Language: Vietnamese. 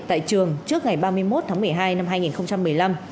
tại trường trước ngày ba mươi một tháng một mươi hai năm hai nghìn một mươi năm